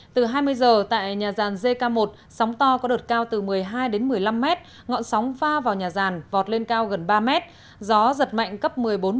từ hai mươi h tại nhà ràn gk một sóng to có đợt cao từ một mươi hai đến một mươi năm m ngọn sóng pha vào nhà ràn vọt lên cao gần ba m gió giật mạnh cấp một mươi bốn một mươi năm